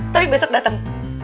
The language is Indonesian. tapi besok dateng